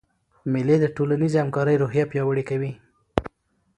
مېلې د ټولنیزي همکارۍ روحیه پیاوړې کوي.